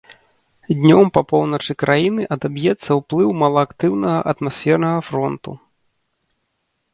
Днём па поўначы краіны адаб'ецца ўплыў малаактыўнага атмасфернага фронту.